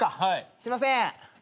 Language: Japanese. すいません。